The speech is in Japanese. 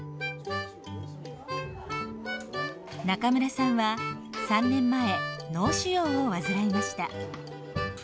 中村さんは３年前脳腫瘍を患いました。